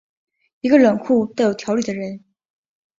一个冷酷但有条理的人。